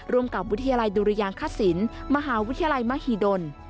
ร่วมกับวิทยาลัยดุรยางคศิลป์มหาวิทยาลัยมหิดล